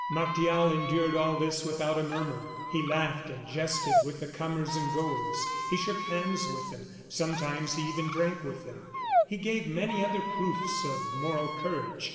Martial endured all this without a murmur. He laughed and jested with the comers and goers; he shook hands with them; sometimes he even drank with them. He gave many other proofs of moral courage.